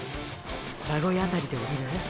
名古屋あたりで降りる？